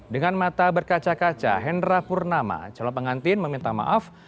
dengan mata berkaca kaca hendra purnama calon pengantin meminta maaf